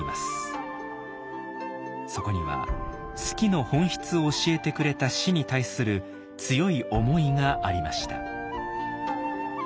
そこには数寄の本質を教えてくれた師に対する強い思いがありました。